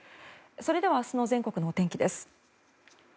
それでは明日の全国のお天気です。